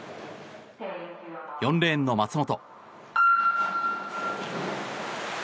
４レーンの松元。